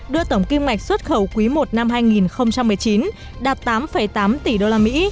đưa tổng kim ngạch xuất khẩu quý i năm hai nghìn một mươi chín đạt tám tám tỷ usd